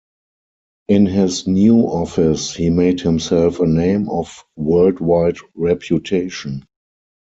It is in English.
In his new office, he made himself a name of worldwide reputation.